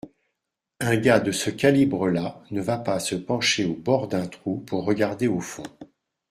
un gars de ce calibre-là ne va pas se pencher au bord d’un trou pour regarder au fond